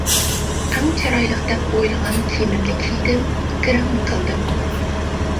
ئەڭ چىرايلىق دەپ ئويلىغان كىيىمىمنى كىيدىم، گىرىممۇ قىلدىم.